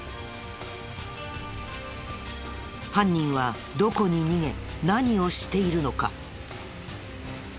犯人はどこに逃げ何をしているのか？